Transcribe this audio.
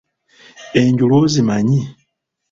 Enjulu ozimanyi?